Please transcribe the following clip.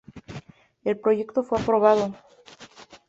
El proyecto fue aprobado.